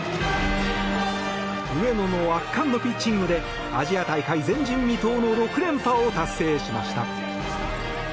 上野の圧巻のピッチングでアジア大会前人未到の６連覇を達成しました。